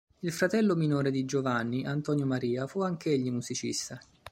Il fratello minore di Giovanni, Antonio Maria, fu anch'egli musicista.